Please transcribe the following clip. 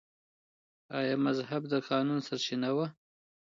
آیا مذهب د قانون سرچینه وه؟